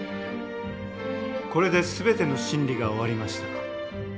これで全ての審理が終わりました。